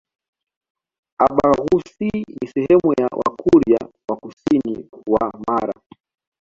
Abhaghusii ni sehemu ya Wakurya wa kusini mwa Mara